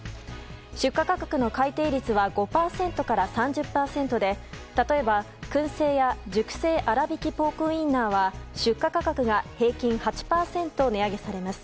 出荷価格の改定率は５％から３０％で例えば、燻製屋熟成あらびきポークウインナーは出荷価格が平均８％値上げされます。